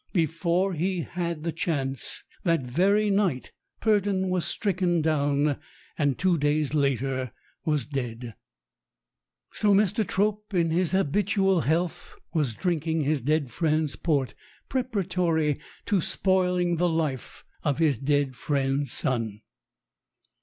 Before he had the chance that very night Purdon was stricken down, and two days later was dead. So Mr. Trope, in his habitual health, was drinking his dead friend's port preparatory to spoiling the life of his dead friend's son.